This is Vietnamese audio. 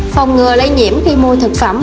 phòng ngừa lây nhiễm khi mua thực phẩm